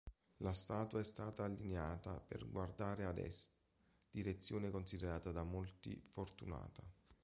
La statua è stata allineata per guardare ad Est, direzione considerata da molti fortunata.